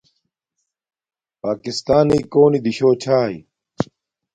پݳکستݳنݵئ کݸنݵ دِشݸ چھݳئی؟